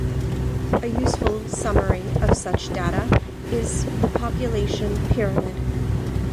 A useful summary of such data is the population pyramid.